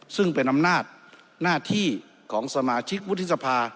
ซึ่งเป็นอำนาจหน้าที่ของสมาชิกวุฒิสภา